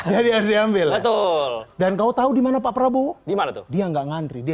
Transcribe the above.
anies ya bodo amat jadi ambil betul dan kau tahu di mana pak prabowo di mana tuh dia nggak ngantri dia